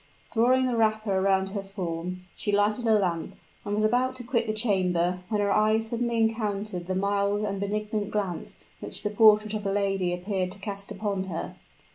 Drawing the wrapper around her form, she lighted a lamp, and was about to quit the chamber, when her eyes suddenly encountered the mild and benignant glance which the portrait of a lady appeared to cast upon her.